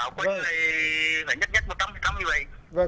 phải nhất nhất một trăm linh như vậy